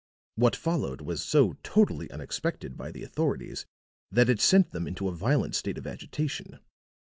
What followed was so totally unexpected by the authorities that it set them into a violent state of agitation.